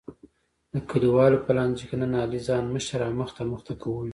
د کلیوالو په لانجه کې نن علی ځان مشر او مخته مخته کولو.